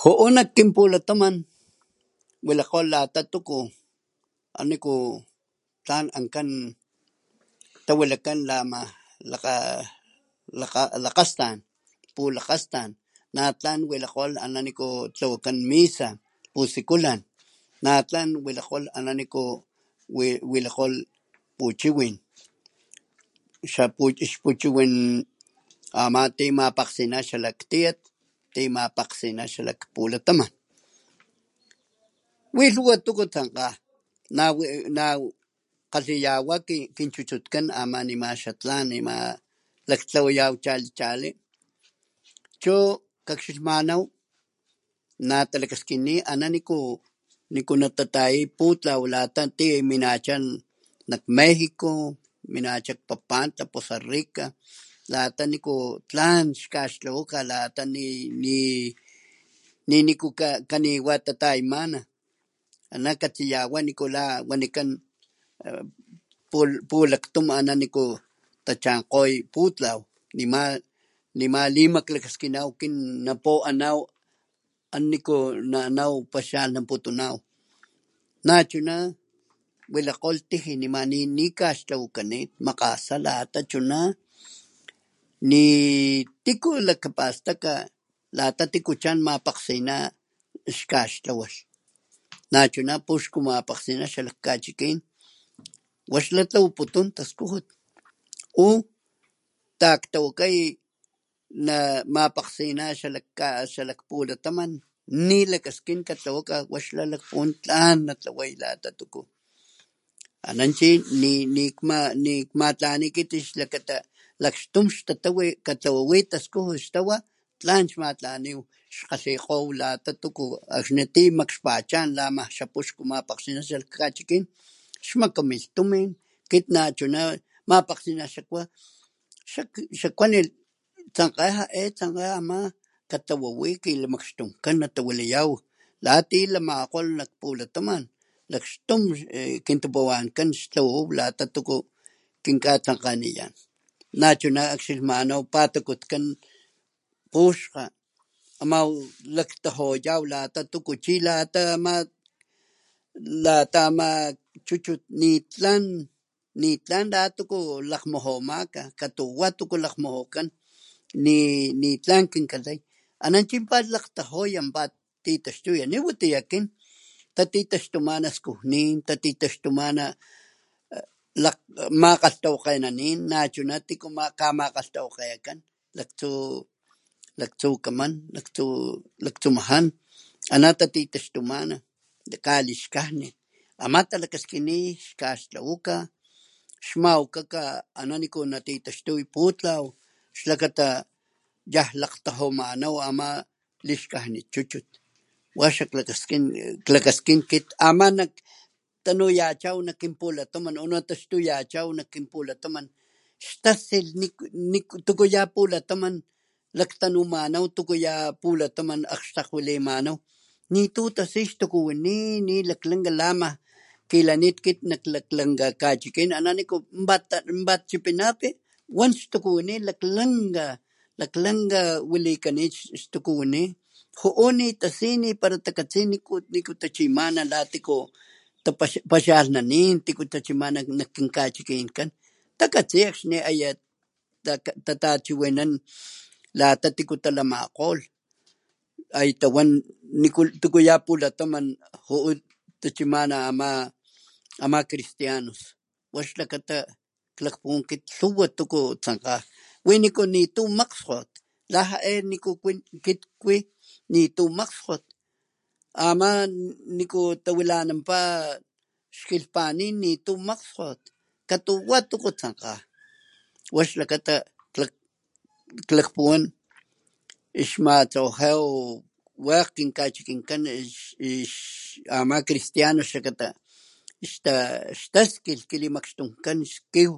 Ju'u nak kinpulataman wilakgolh lata tuku a niku tlan ankan tawilakan lama lakga lakga lakgastan pulakgastan na tlan wilakgolh ana niku tlawakan misa pusikulan natlan wilakgolh ana ni niku wi' wilakgolh puchiwin xa puxku chiwinan ama ti mapakgsina xa laktiyat timapakgsinan xalak pulataman wi lhuwa tuku tsankga nawi naw kgalhiyawa kin chuchutkan ama nima xa tlan ama nima laktlawayaw chali chali chu kakxilhmanaw natalakaskini ana niku niku natataya putlaw lata ti minacha nak México minacha kpapantla, Poza Rica lata niku tlan xkaxtlawaka lata ni' ni niku nikaniwa tatayamana ana katsiyawa nikula wanikan e pulaktun ana niku tachankgoy putlaw nima nima limaklakaskinaw kin napu'anaw ana niku nanaw paxialhnanputunaw nachuna wilakgolh tijia nima ni ni'kaxtlawakanit makgasa lata chuna ni tiku lakapastaka lata tiku chan mapakgsina xkaxtlawalh nachuna puxku mapakgsina xa lakkachikin wa' xla tlawaputun taskujut u taktawakay namapakgsina xa lak ka pulataman nilakaskin katlawaka tlan napuwan wa xla lakpuwan tlan natlaway lata tuku ana chi ni nikmatlani kit xlakata lakxtun xtatawi katlawawi taskujut xtawa tlan xmatlaniw xkgalhikgow lata tuku akxni ti makxpachan lama xa puxku mapakgsina xa lak kachikin xmakamilh tumin kit nachuna mapakgsina xa kwa xa kwanilh tsankga ja'e, tsankga ama katlawawi kilimakxtunkan natawilayaw lati lamakgoh nak pulataman lakxtun e kintapuwankan xtlawaw lata tu kinkatsankganiyan nachuna akxilhmanaw patakutkan puxkga amaw lakgtajuyaw lata tuku chi lata ama, lata ama chuchut nitlan nitlan la tuku lakgmujumaka katuwa tuku lakgmujukan ni nitlan kin katsi ana chi pat lakgtajuya pat titaxtuya ni watiya akin tatitaxtumana skujnin, tatitaxtumana lakg makgalhtawakgenanin nachuna tiku kama kamakgalhtawakgekan laktsu laktsukaman laktsu laktsumajan ana tatitaxtumana kalixkajnit ama talakaskini xkaxtlawaka xmawakaka ana niku natitaxtuy putlaw xlakata yaj lakgtajumananw ama lixkajnit chuchut wa xa klakaskin, klakaskinkit ama nak kin lata ktanuyachaw nak kin pulataman nataxtuyachaw nak kin pulataman xtasilh niku ya pulataman laktanumanaw tuku ya pulataman akgxtakgajwalimanaw nitu tasi ix tukuwini ni laklanka lama jkilanit lak lanka kachikin akxni chipinpat ana' niku patchipinapi wan xtukuwini lak'lanka lak'lanka walikanit xtukuwini ju'u ni tasi ni pala, ni takatsi niku tachimana la tiku tapa paxialhnanin tiku tachimana nak kin ka'chikinkan takatsi akxni aya tatachiwinan lata tiku talamakgolh ay tawan niku tuku ya pulataman ju'u tachimana ama, ama cristianos wa xlakata klakpuwan kit lhuwa tuku tsankga wi niku nitu makgskgot la ja'e niku kwi kit, kit kwi nitu makgskgot ama niku tawilananpa xkilhpanitni nitu makgskgot katuwa tuku tsankga wa xlakata klak klakpuwan ix matlawakgew wekg kinkachikinkan ix ama cristiano xakata xta xtaskil kilimakxtunkan skiw,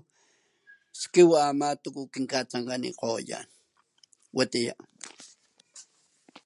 skiw ama tuku kin katsankgenikgoyan. Watiya.